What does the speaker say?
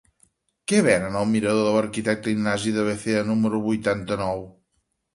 Què venen al mirador de l'Arquitecte Ignasi de Lecea número vuitanta-nou?